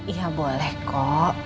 iya boleh kok